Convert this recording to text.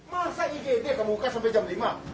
masa igd kamu buka sampai jam lima